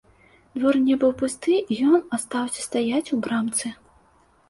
Двор не быў пусты, і ён астаўся стаяць у брамцы.